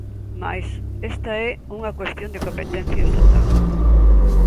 Mais esta é unha cuestión de competencia estatal.